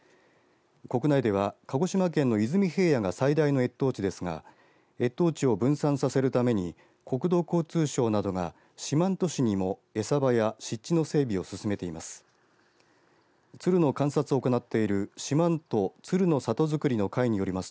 国内では鹿児島県の出水平野が最大の越冬地ですが越冬地を分散させるために国土交通省などが四万十市にも餌場や湿地の整備を進めています。